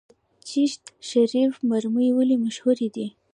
د چشت شریف مرمر ولې مشهور دي؟